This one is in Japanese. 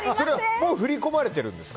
もう振り込まれてるんですか？